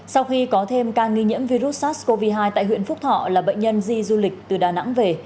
sau khi có thêm ca nghi nhiễm virus sars cov hai tại huyện phúc thọ là bệnh nhân di du lịch từ đà nẵng về